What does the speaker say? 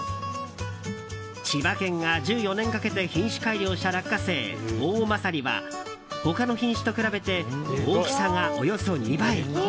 千葉県が１４年かけて品種改良した落花生おおまさりは他の品種と比べて大きさがおよそ２倍。